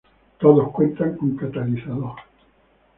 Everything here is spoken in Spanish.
Todos cuentan con catalizador.